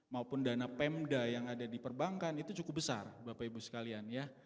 maupun dana pemda yang ada di perbankan itu cukup besar bapak ibu sekalian ya